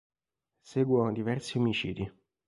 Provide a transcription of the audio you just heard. Seguono diversi omicidi.